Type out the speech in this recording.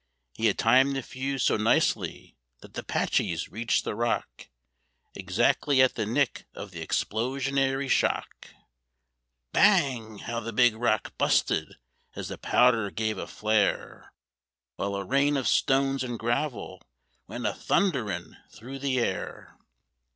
He had timed the fuse so nicely that the 'Paches reached the rock Exactly at the nick of the explosionary shock: Bang! How the big rock busted as the powder gave a flare! While a rain of stones and gravel went a thunderin' through the air.